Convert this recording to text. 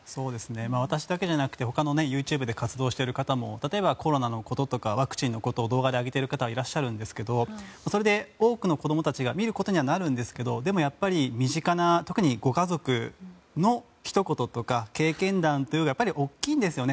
私だけではなくて他のＹｏｕＴｕｂｅで活躍している方でも例えば、コロナのことやワクチンのことを動画で上げていらっしゃる方がいますがそれで多くの子供たちが見ることにはなるんですがでもやっぱり身近な、特にご家族のひと言とか経験談というのはやはり大きいんですよね。